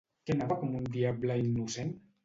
Qui anava com un diable innocent?